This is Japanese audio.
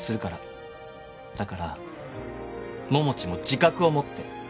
だから桃地も自覚を持って。